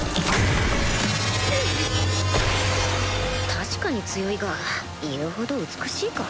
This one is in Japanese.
確かに強いが言うほど美しいか？